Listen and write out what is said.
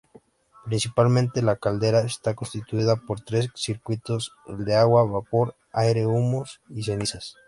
Principalmente, la caldera estaba constituida por tres circuitos: el de agua-vapor, aire-humos y cenizas.